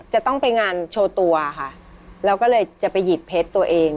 จะต้องไปงานโชว์ตัวค่ะแล้วก็เลยจะไปหยิบเพชรตัวเอง